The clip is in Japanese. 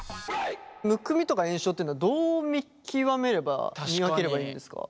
むくみとか炎症っていうのはどう見極めれば見分ければいいんですか？